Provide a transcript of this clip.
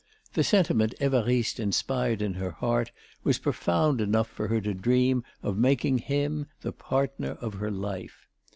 The sentiment Évariste inspired in her heart was profound enough for her to dream of making him the partner of her life.